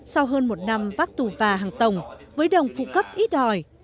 sau hơn một năm vác tù và hàng tổng với đồng phụ cấp ít ỏi